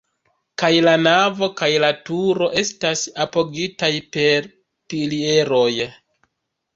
Kaj la navo kaj la turo estas apogitaj per pilieroj.